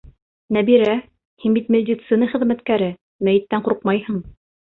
Нәбирә, һин бит медицина хеҙмәткәре, мәйеттән ҡурҡмайһың.